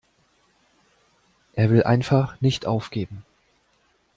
Er will einfach nicht aufgeben.